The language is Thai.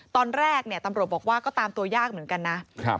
ตอนแรกเนี่ยตำรวจบอกว่าก็ตามตัวยากเหมือนกันนะ